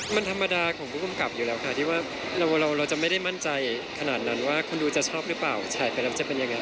มันธรรมดาของผู้กำกับอยู่แล้วค่ะที่ว่าเราจะไม่ได้มั่นใจขนาดนั้นว่าคนดูจะชอบหรือเปล่าฉายไปแล้วจะเป็นยังไง